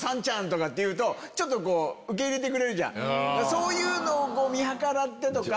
そういうのを見計らってとか。